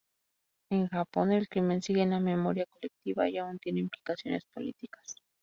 En Japón, el crimen sigue en la memoria colectiva y aún tiene implicaciones políticas.